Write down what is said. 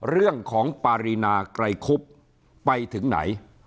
เรื่องของปารีนาไกรคุบไปถึงไหน